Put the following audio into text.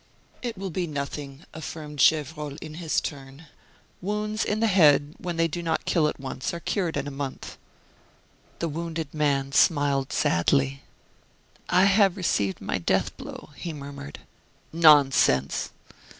"It will be nothing," affirmed Gevrol in his turn; "wounds in the head, when they do not kill at once, are cured in a month." The wounded man smiled sadly. "I have received my death blow," he murmured. "Nonsense!"